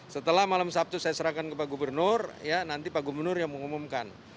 setelah malam sabtu saya serahkan ke pak gubernur ya nanti pak gubernur yang mengumumkan